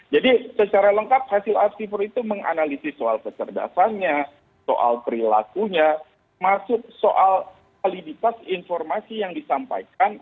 jadi secara lengkap hasil apsifor itu menganalisis soal kecerdasannya soal perilakunya masuk soal validitas informasi yang disampaikan